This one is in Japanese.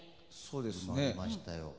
埋まりましたよ。